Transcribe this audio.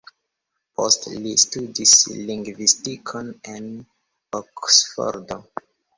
Poste li studis lingvistikon en Oksfordo.